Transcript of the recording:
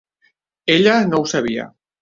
Ella no ho sabia.